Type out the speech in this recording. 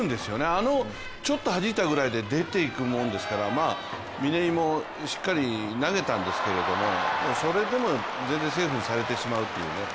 あのちょっとはじいたぐらいで出ていくもんですから嶺井もしっかり投げたんですけどそれでも全然セーフにされてしまうというね。